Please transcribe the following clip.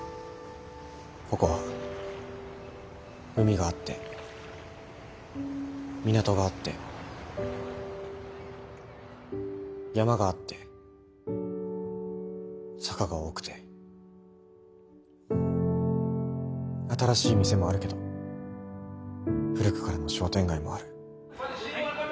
ここは海があって港があって山があって坂が多くて新しい店もあるけど古くからの商店街もある。